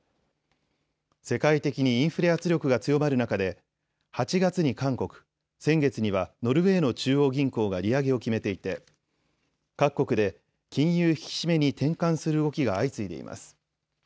世界的にインフレ圧力が強まる中で８月に韓国、先月にはノルウェーの中央銀行が利上げを決めていて各国で金融引き締めに転換する動きが相次いでいます。